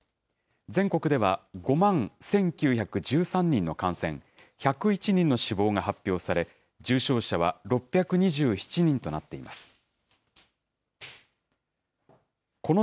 全国では５万１９１３人の感染、１０１人の死亡が発表され、重症者は６２７人となっています。